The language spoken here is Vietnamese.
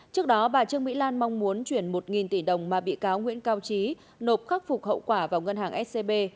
trước đó bà trương mỹ lan mong muốn chuyển một tỷ đồng mà bị cáo nguyễn cao trí nộp khắc phục hậu quả vào ngân hàng scb